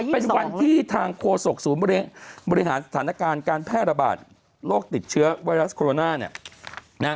เป็นวันที่ทางโฆษกสูญบริหารสถานการณ์การแพร่ระบาดโรคติดเชื้อไตรฯคอโรนา